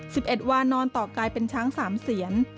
สิบเอ็ดวานอนต่อกลายเป็นช้างสามเสียน